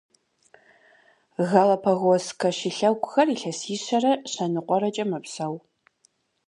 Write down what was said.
Галапагосскэ шылъэгухэр илъэсищэрэ щэныкъуэрэкӏэ мэпсэу.